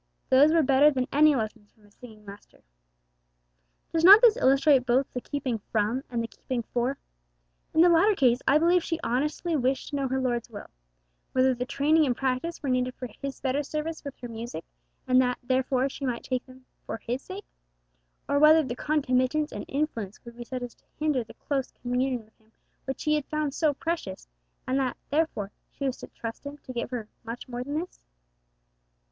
Those were better than any lessons from a singing master!' Does not this illustrate both the keeping from and the keeping for? In the latter case I believe she honestly wished to know her Lord's will, whether the training and practice were needed for His better service with her music, and that, therefore, she might take them for His sake; or whether the concomitants and influence would be such as to hinder the close communion with Him which she had found so precious, and that, therefore, she was to trust Him to give her 'much more than this.'